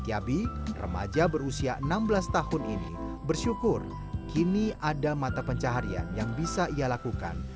yabi remaja berusia enam belas tahun ini bersyukur kini ada mata pencaharian yang bisa ia lakukan